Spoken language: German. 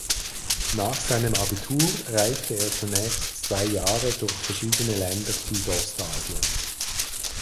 Nach seinem Abitur reiste er zunächst zwei Jahre durch verschiedene Länder Südostasiens.